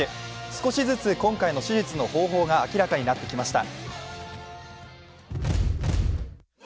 少しずつ今回の手術の方法が明らかになってきました。